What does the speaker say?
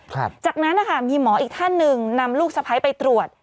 จากนั้นนะคะมีหมออีกท่านหนึ่งนำลูกสะพ้ายไปตรวจ